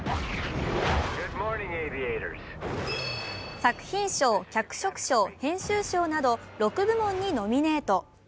作品賞、脚色賞、編集賞など６部門にノミネート。